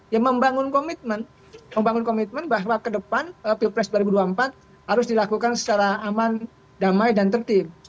ya membangun komitmen membangun komitmen bahwa ke depan pilpres dua ribu dua puluh empat harus dilakukan secara aman damai dan tertib